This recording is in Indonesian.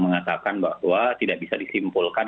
mengatakan bahwa tidak bisa disimpulkan